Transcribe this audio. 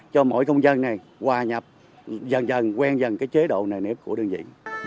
cho mỗi công dân này hòa nhập dần dần quen dần cái chế độ này nếp của đơn vị